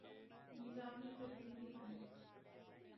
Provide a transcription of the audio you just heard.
نظام میں تبدیلی آئے۔